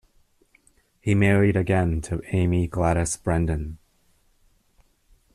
He married again to Aimee Gladys Brendon.